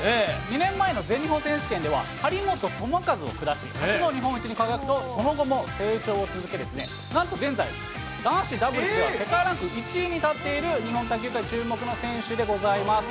２年前の全日本選手権では、張本智和を下し、初の日本一に輝くと、その後も成長を続け、なんと現在、男子ダブルスでは世界ランク１位に立っている日本卓球界注目の選手でございます。